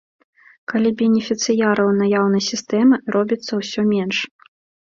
Калі бенефіцыяраў наяўнай сістэмы робіцца ўсё менш.